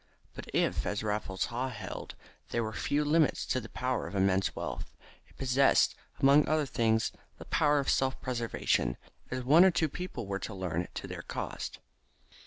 But if, as Raffles Haw held, there were few limits to the power of immense wealth, it possessed, among other things, the power of self preservation, as one or two people were to learn to their cost.